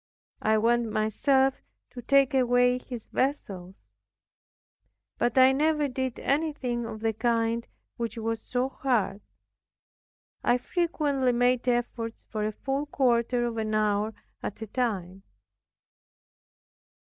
I went myself to take away his vessels. But I never did anything of the kind which was so hard. I frequently made efforts for a full quarter of an hour at a time.